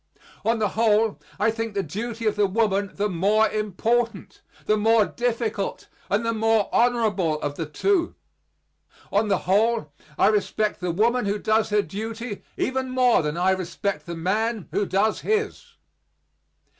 On the whole, I think the duty of the woman the more important, the more difficult, and the more honorable of the two; on the whole I respect the woman who does her duty even more than I respect the man who does his.